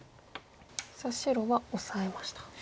白はオサえました。